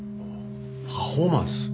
パフォーマンス？